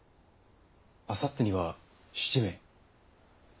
あさってには７名。